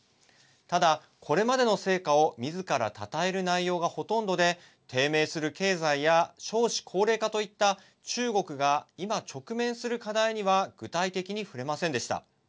ただ、これまでの成果をみずからたたえる内容がほとんどで低迷する経済や少子高齢化といった中国が今直面する課題には具体的に触れませんでした。